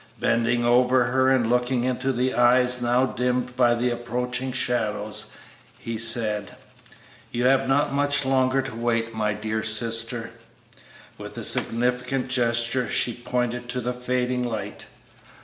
Bending over her and looking into the eyes now dimmed by the approaching shadows, he said, "You have not much longer to wait, my dear sister." With a significant gesture she pointed to the fading light.